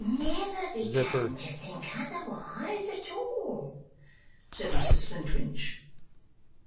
'Never begun to think otherwise at all,' said Mrs Flintwinch.